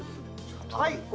はい。